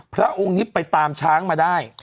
พระองค์นี้ไปตามช้างมาได้